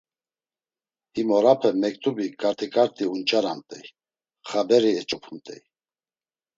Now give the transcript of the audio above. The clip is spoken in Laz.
Him orape mektubi ǩarti ǩarti unç̌aramt̆ey xaberi eç̌opumt̆ey.